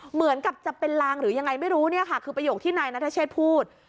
เหมือนกับจะเป็นลางหรือยังไงไม่รู้เนี่ยค่ะคือประโยคที่นายนัทเชษพูด